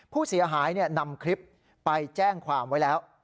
ผู้เสียหายนำคลิปไปแจ้งความไว้แล้ว